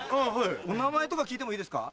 お名前とか聞いてもいいですか？